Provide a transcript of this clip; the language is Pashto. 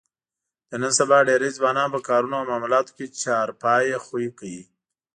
د نن سبا ډېری ځوانان په کارونو او معاملاتو کې چارپایه خوی کوي.